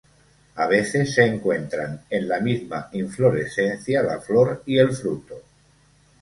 A veces se encuentran en la misma inflorescencia la flor y el fruto.